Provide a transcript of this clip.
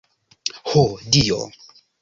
Ho dio!